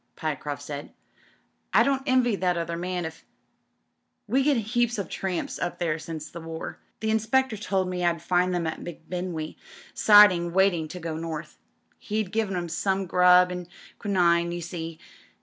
'' Pyecroft swd. "I don't envy that other «nan if " "We get heaps of tramps up there since the war. The inspector told me I'd find 'em at M'Bindwe siding waiting to go North. He'd given 'em some grub and quinine, you see.